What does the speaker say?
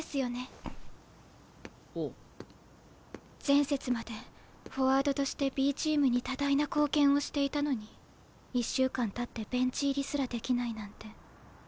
前節までフォワードとしてＢチームに多大な貢献をしていたのに１週間たってベンチ入りすらできないなんて。